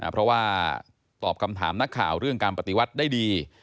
เพราะว่าตอบคำถามนักข่าวเรื่องการปฏิวัติได้ดี